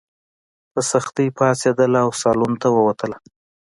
په سختۍ پاڅېدله او سالون ته ووتله.